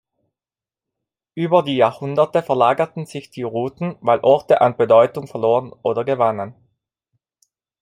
Über die Jahrhunderte verlagerten sich die Routen, weil Orte an Bedeutung verloren oder gewannen.